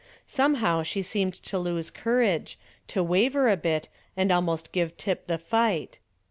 Somehow she seemed to lose courage, to waver a bit and almost give tip the fight.